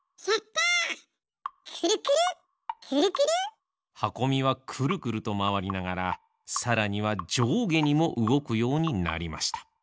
くるくるくるくる。はこみはくるくるとまわりながらさらにはじょうげにもうごくようになりました。